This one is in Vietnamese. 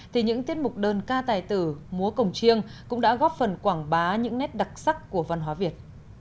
thì những tiết mục đơn ca tài tử múa cổng chiêng cũng đã góp phần quảng bá những nét đặc sắc của văn hóa việt